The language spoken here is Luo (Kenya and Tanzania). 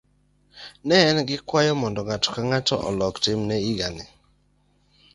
Ne en gi kwayo kuom ng'ato ka ng'ato mondo olok timne higani.